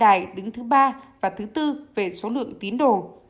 đài đứng thứ ba và thứ tư về số lượng tín đồ